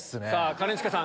兼近さん